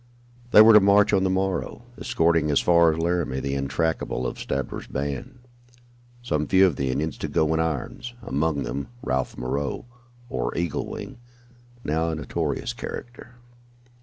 They were to march on the morrow, escorting as far as Laramie the intractables of Stabber's band, some few of the Indians to go in irons, among them Ralph Moreau, or Eagle Wing, now a notorious character.